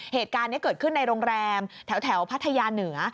เหตุการณ์นี้เกิดขึ้นในโรงแรมแถวพัทยาเหนือ